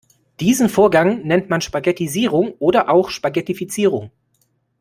Diesen Vorgang nennt man Spaghettisierung oder auch Spaghettifizierung.